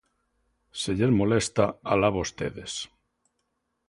¡Se lles molesta, alá vostedes!